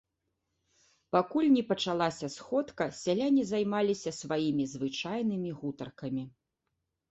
Пакуль не пачалася сходка, сяляне займаліся сваімі звычайнымі гутаркамі.